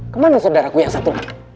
kemana saudaraku yang satu